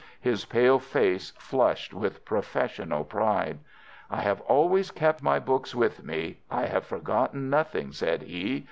His pale face flushed with professional pride. "I have always kept my books with me. I have forgotten nothing," said he.